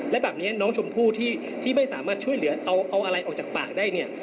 และแบบนี้น้องชมพู่ที่ไม่สามารถช่วยเหลือเอาอะไรออกจากปากได้เนี่ย